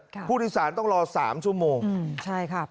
ครับผู้ที่สารต้องรอสามชั่วโมงอืมใช่ครับ